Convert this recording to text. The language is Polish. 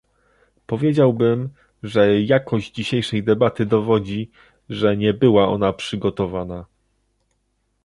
Powiedziałbym, że jakość dzisiejszej debaty dowodzi, że nie była ona przygotowana